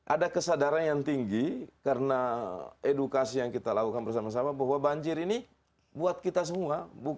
ada kesadaran yang tinggi karena edukasi yang kita lakukan bersama sama bahwa banjir ini buat kita semua